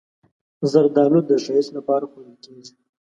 زردالو د ښایست لپاره خوړل کېږي.